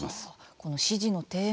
この支持の低迷